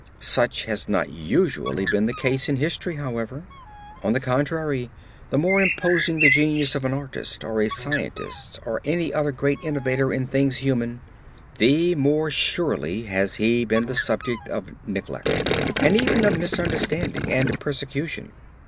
Such has not usually been the case in history, however. On the contrary, the more imposing the genius of an artist, or a scientist, or any other great innovator in things human, the more surely has he been the subject of neglect and even of misunderstanding and persecution.